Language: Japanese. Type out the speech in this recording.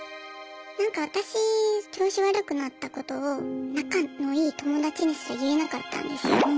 なんか私調子悪くなったことを仲のいい友達にすら言えなかったんですよ。